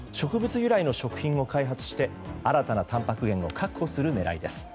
由来の食品を開発して新たなたんぱく源を確保する狙いです。